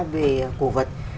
về cổ vật